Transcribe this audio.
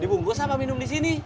dibungkus apa minum di sini